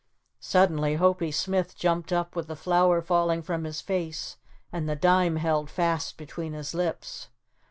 Suddenly Hopie Smith jumped up with the flour falling from his face and the dime held fast between his lips.